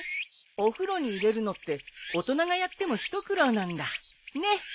お風呂に入れるのって大人がやっても一苦労なんだねっ。